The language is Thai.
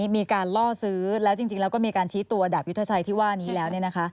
มีการล่อซื้อแล้วจริงแล้วก็มีการชี้ตัวดาบยุทธชัยที่ว่านี้แล้ว